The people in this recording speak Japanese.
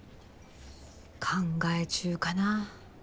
考え中かな。